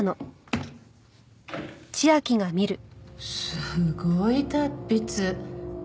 すごい達筆！